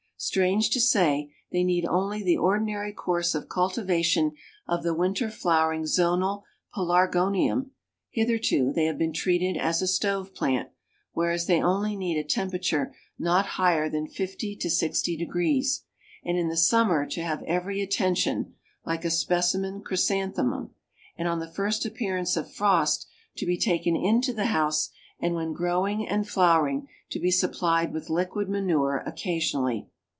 Strange to say, they need only the ordinary course of cultivation of the winter flowering Zonal Pelargonium; hitherto they have been treated as a stove plant, whereas they only need a temperature not higher than 50° to 60°, and in the summer to have every attention, like a specimen Chrysanthemum, and on the first appearance of frost to be taken into the house, and when growing and flowering, to be supplied with liquid manure occasionally."